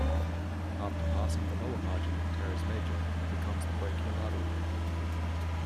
After passing the lower margin of teres major it becomes the brachial artery.